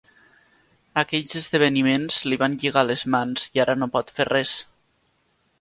Aquells esdeveniments li van lligar les mans i ara no pot fer res.